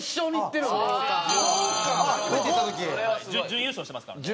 準優勝してますから。